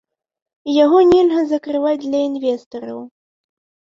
І яго нельга закрываць для інвестараў.